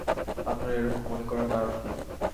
আপনার এ-রকম মনে করার কারণ কী?